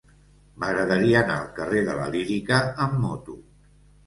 M'agradaria anar al carrer de la Lírica amb moto.